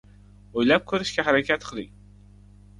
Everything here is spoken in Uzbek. o‘ylab ko‘rishga harakat qiling.